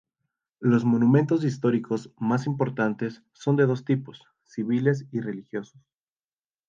Los monumentos históricos más importantes son de dos tipos: civiles y religiosos.